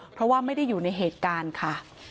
เพราะว่าไม่ได้อยู่ในเหตุการณ์ค่ะ